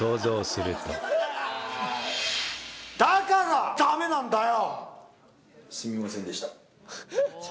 だからダメなんだよ！